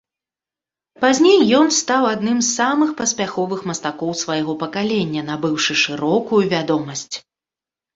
Пазней ён стаў адным з самых паспяховых мастакоў свайго пакалення, набыўшы шырокую вядомасць.